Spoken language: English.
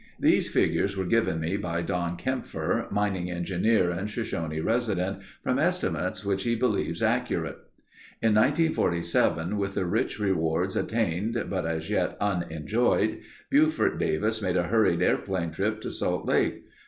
These figures were given me by Don Kempfer, mining engineer and Shoshone resident, from estimates which he believed accurate. In 1947 with the rich rewards attained but as yet unenjoyed, Buford Davis made a hurried airplane trip to Salt Lake.